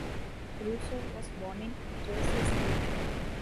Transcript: Russo was born in Jersey City.